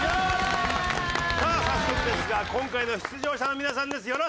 さあ早速ですが今回の出場者の皆さんです。